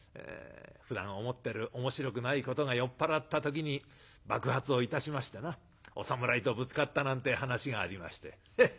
ふだん思ってるおもしろくないことが酔っ払った時に爆発をいたしましてなお侍とぶつかったなんてえ噺がありまして。